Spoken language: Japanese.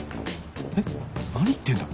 えっ何言ってんだ？